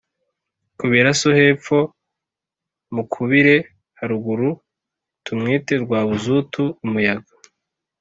Kubira so hepfo mukubire haruguru tumwite Rwabuzutu-Umuyaga.